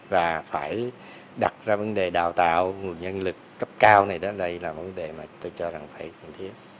và phải đặt ra vấn đề đào tạo nguồn nhân lực cấp cao này đây là vấn đề mà tôi cho rằng phải cần thiết